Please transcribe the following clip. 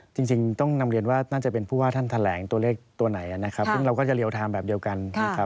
จริงต้องนำเรียนว่าน่าจะเป็นผู้ว่าท่านแถลงตัวเลขตัวไหนนะครับซึ่งเราก็จะเรียลไทม์แบบเดียวกันนะครับ